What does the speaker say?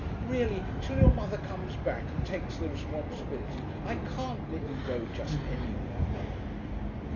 'Really, till your mother comes back and takes the responsibility, I can't let you go just anywhere.'